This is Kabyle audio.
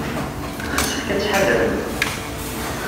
Yessefk ad tḥadremt.